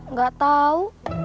rid enggak enggak mau